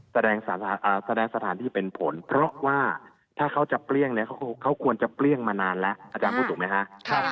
แสดงสถานที่เป็นผลเพราะว่าถ้าเขาจะเปรี้ยงเนี่ยเขาควรจะเปรี้ยงมานานแล้วอาจารย์พูดถูกไหมคะ